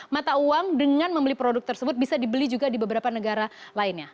mata uang dengan membeli produk tersebut bisa dibeli juga di beberapa negara lainnya